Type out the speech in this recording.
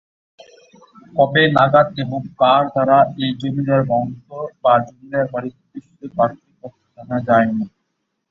কবে নাগাদ এবং কার দ্বারা এই জমিদার বংশ বা জমিদার বাড়ি প্রতিষ্ঠিত তার সঠিক তথ্য জানা যায়নি।